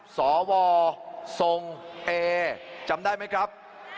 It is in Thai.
สวทรงเอจำได้ไหมครับ